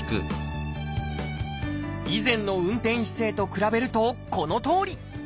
以前の運転姿勢と比べるとこのとおり。